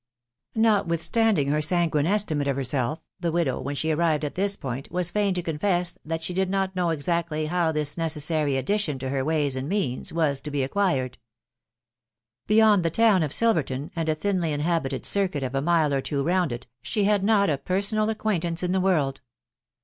Notwithstanding her sanguine estimate of herself, the widow, when she arrived at this point, was fain to confess that she did not exactly know how this necessary addition to her ways and means was to be acquired. Beyond the town of Silverton, and a thinly inhabited circuit of a mile or two round it, £hc had not a personal acquaintance in the world.